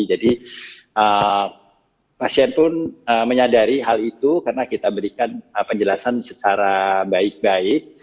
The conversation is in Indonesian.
jadi pasien pun menyadari hal itu karena kita berikan penjelasan secara baik baik